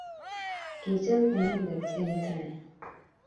Kicham inendet eng tai